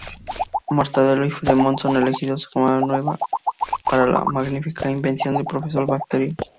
Mortadelo y Filemón son elegidos de nuevo para la "magnífica" invención del profesor Bacterio.